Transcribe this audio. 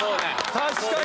確かに。